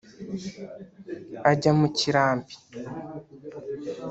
ajya mu kirambi